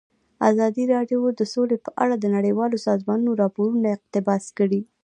ازادي راډیو د سوله په اړه د نړیوالو سازمانونو راپورونه اقتباس کړي.